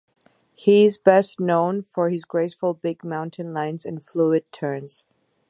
He is best known for his graceful big mountain lines and fluid turns.